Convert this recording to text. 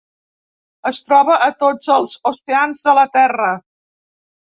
Es troba a tots els oceans de la Terra.